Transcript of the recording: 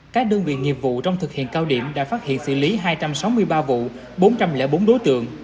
các đơn vị nghiệp vụ trong thực hiện cao điểm đã phát hiện xử lý hai trăm sáu mươi ba vụ bốn trăm linh bốn đối tượng